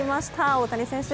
大谷選手